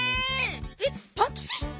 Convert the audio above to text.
えっパンキチ？